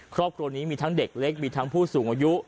ครอบครัวนี้มีทั้งเด็กเล็กมีทั้งผู้สูงอายุ